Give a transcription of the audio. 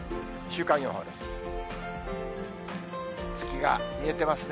週間予報です。